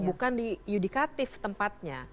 bukan di yudikatif tempatnya